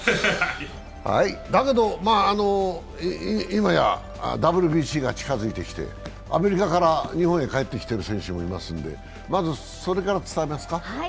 だけど、今やＷＢＣが近づいてきてアメリカから日本へ帰ってきてる選手もいますのでまず、それから伝えますか。